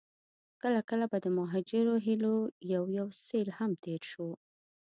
کله کله به د مهاجرو هيليو يو يو سيل هم تېر شو.